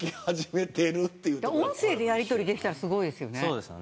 音声でやり取りできたらすごいですよね。